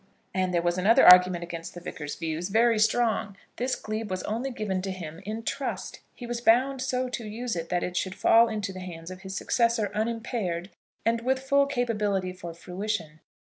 And there was another argument against the Vicar's views, very strong. This glebe was only given to him in trust. He was bound so to use it, that it should fall into the hands of his successor unimpaired and with full capability for fruition.